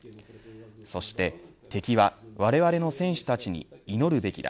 そして、敵はわれわれの戦士たちに祈るべきだ。